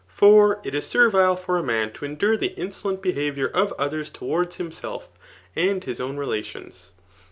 For it is servile for a man to endure the in^lent behaviour of others towards himself, and his own relations.